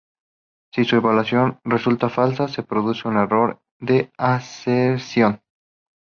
Si su evaluación resulta falsa, se produce un "error de aserción".